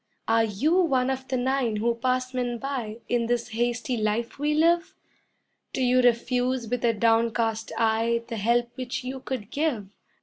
Are you one of the nine who pass men by In this hasty life we live? Do you refuse with a downcast eye The help which you could give?